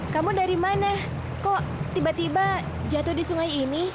kamu dari mana kok tiba tiba jatuh di sungai ini